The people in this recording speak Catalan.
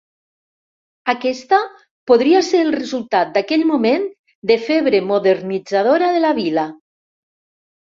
Aquesta podria ser el resultat d'aquell moment de febre modernitzadora de la vila.